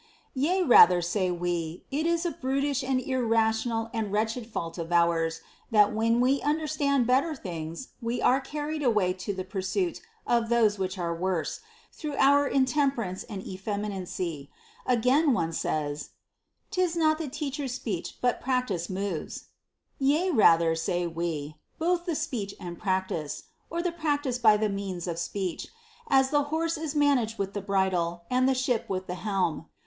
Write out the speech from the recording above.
* Yea, rather, say we, it is a brutish and irrational and wretched fault of ours, that when we understand better things, we are carried away to the pursuit of those which are worse, through our intemperance and effeminacy. Again, one says, 'Tis not the teacher's speech but practice moves, t Yea, rather, say we, both the speech and practice, — or the practice by the means of speech, — as the horse is managed with the bridle, and the ship with the helm.